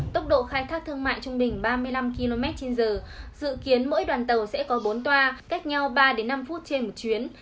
tốc độ khai thác thương mại trung bình ba mươi năm km trên giờ dự kiến mỗi đoàn tàu sẽ có bốn toa cách nhau ba năm phút trên một chuyến